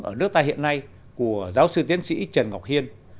ở nước ta hiện nay của giáo sư tiến sĩ trần ngọc hiên